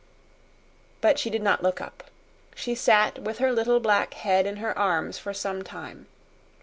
But she did not look up. She sat with her little black head in her arms for some time.